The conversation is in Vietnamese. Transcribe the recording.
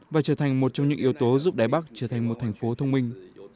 và trở thành một trong những yếu tố giúp đài bắc trở thành một thành phố thông minh